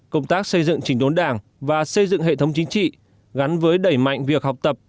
công tác xây dựng trình đốn đảng và xây dựng hệ thống chính trị gắn với đẩy mạnh việc học tập